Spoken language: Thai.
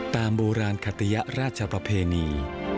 ตามโบราณขัตติยะราชประเพณี